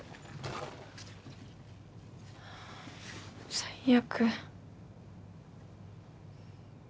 最悪。